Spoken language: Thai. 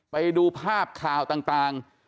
ไปดูภาพข่าวต่าง